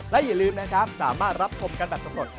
และอย่าลืมนะครับสามารถรับชมกันแบบสำรวจ